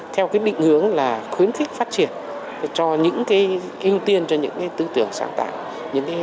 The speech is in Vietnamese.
theo định hướng là khuyến khích phát triển cho những ưu tiên cho những tư tưởng sáng tạo